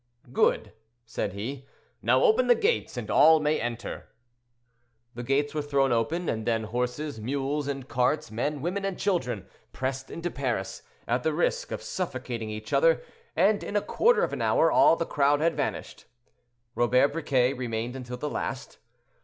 "Good!" said he. "Now open the gates, and all may enter." The gates were thrown open, and then horses, mules, and carts, men, women, and children, pressed into Paris, at the risk of suffocating each other, and in a quarter of an hour all the crowd had vanished. Robert Briquet remained until the last.